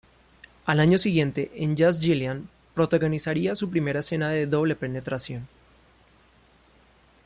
Al año siguiente, en "Just Jillian", protagonizaría su primera escena de doble penetración.